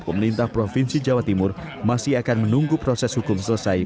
pemerintah provinsi jawa timur masih akan menunggu proses hukum selesai